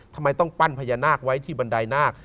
ทำไมต้องปั้นพญานาคไว้ที่บันไดนาค